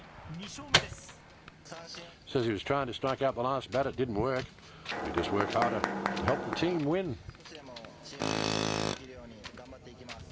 少しでもチームに貢献できるように頑張っていきます。